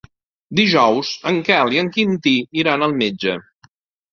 Dijous en Quel i en Quintí iran al metge.